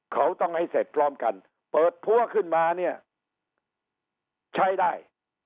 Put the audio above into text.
เขาต้องให้เสร็จพร้อมกันเปิดพัวขึ้นมาเนี่ยใช้ได้